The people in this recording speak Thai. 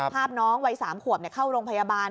ภาพน้องวัย๓ขวบเข้าโรงพยาบาล